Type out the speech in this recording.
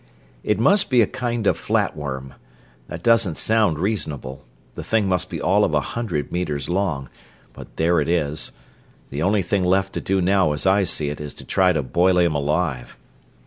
"It must be a kind of flat worm. That doesn't sound reasonable the thing must be all of a hundred meters long but there it is. The only thing left to do now, as I see it, is to try to boil him alive."